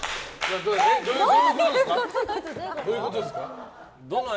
どういうことですか？